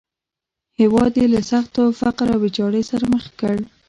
هېواد یې له سخت فقر او ویجاړۍ سره مخ کړ.